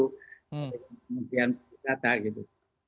kemudian berdata gitu